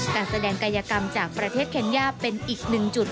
การแสดงกายกรรมจากประเทศเคนย่าเป็นอีกหนึ่งจุด